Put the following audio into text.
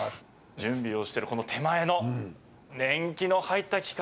準備をしているこの手前の、年季の入った機械。